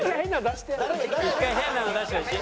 一回変なの出してほしい？